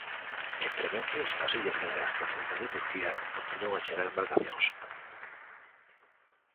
Entrementres, ás illas gregas procedentes de Turquía continúan a chegar embarcacións.